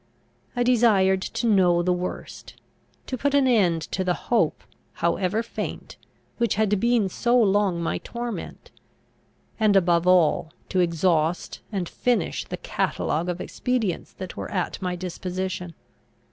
I desired to know the worst; to put an end to the hope, however faint, which had been so long my torment; and, above all, to exhaust and finish the catalogue of expedients that were at my disposition.